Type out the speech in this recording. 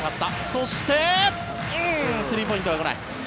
そしてスリーポイントは来ない。